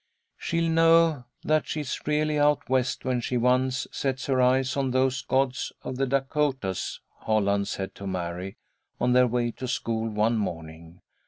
"She'll know that she's really out West when she once sets her eyes on those gods of the Dacotahs," Holland said to Mary on their way to school one morning.